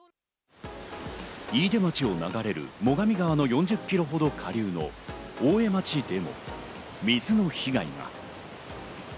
飯豊町を流れる最上川の４０キロほど下流の大江町でも水の被害が。